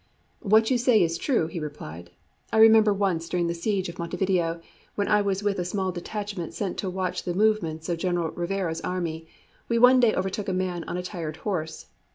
"What you say is true," he replied. "I remember once during the siege of Montevideo, when I was with a small detachment sent to watch the movements of General Rivera's army, we one day overtook a man on a tired horse.